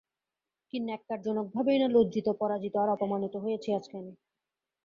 কি ন্যাক্কারজনক ভাবেই না লজ্জিত, পরাজিত আর অপমানিত হয়েছি আজকে আমি।